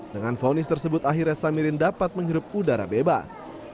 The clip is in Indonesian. dengan fonis tersebut akhirnya samirin dapat menghirup udara bebas